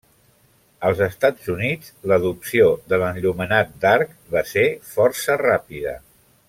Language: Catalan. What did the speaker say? Als Estats Units l'adopció de l'enllumenat d'arc va ser força ràpida.